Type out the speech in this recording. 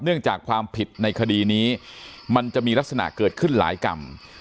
จากความผิดในคดีนี้มันจะมีลักษณะเกิดขึ้นหลายกรรม